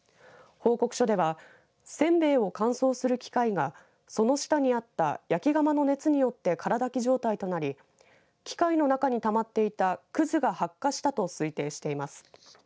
報告書ではせんべいを乾燥する機械がその下にあった焼き釜の熱によって空だき状態となり機械の中にたまっていたくずが発火したと推定しています。